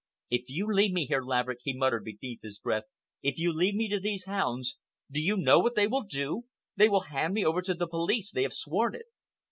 "If you leave me here, Laverick," he muttered beneath his breath,—"if you leave me to these hounds, do you know what they will do? They will hand me over to the police—they have sworn it!"